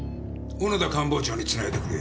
小野田官房長につないでくれ。